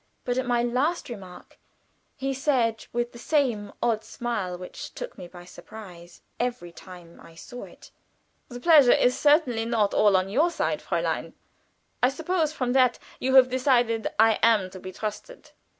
But at my last remark he said, with the same odd smile which took me by surprise every time I saw it: "The pleasure is certainly not all on your side, mein Fräulein. I suppose from that you have decided that I am to be trusted?"